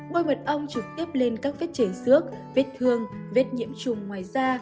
môi mật ong trực tiếp lên các vết chế xước vết thương vết nhiễm trùng ngoài da